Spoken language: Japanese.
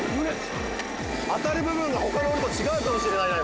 当てる部分が他の鬼と違うかもしれないね